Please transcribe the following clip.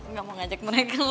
nggak mau ngajak mereka